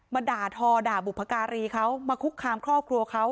ด่าทอด่าบุพการีเขามาคุกคามครอบครัวเขา